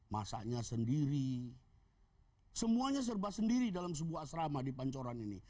masaknya sendiri semuanya serba sendiri dalam sebuah asrama di pancoran ini